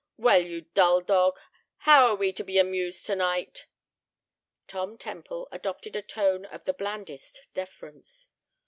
"Well, you dull dog, how are we to be amused to night?" Tom Temple adopted a tone of the blandest deference.